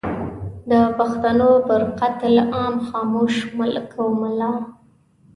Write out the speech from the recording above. د پښتنو پر قتل عام خاموش ملک او ملا